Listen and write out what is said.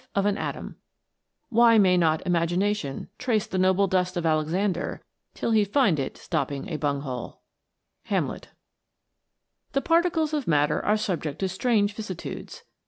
fife 0f " Why may not imagination trace the noble dust of Alex ander, till he find it stopping a bung hole ?" Hamlet. THE particles of matter are subject to strange vicissitudes.